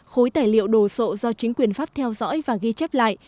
khối tài liệu đồ sộ do chính quyền pháp theo dõi và ghi chép lại